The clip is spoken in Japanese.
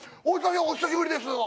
「お久しぶりです」